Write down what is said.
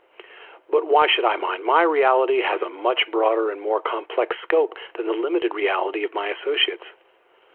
But why should I mind? My reality has a much broader and more complex scope than the limited reality of my associates.